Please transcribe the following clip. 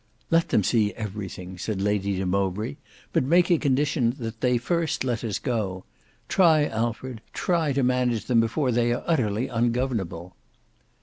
"Let them see everything," said Lady de Mowbray, "but make a condition that they first let us go. Try Alfred, try to manage them before they are utterly ungovernable."